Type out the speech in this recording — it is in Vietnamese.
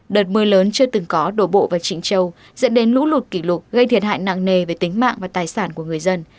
đợt mưa lớn chưa từng có đổ bộ vào trịnh châu dẫn đến lũ lụt kỷ lục gây thiệt hại nặng nề về tính mạng và tài sản của người dân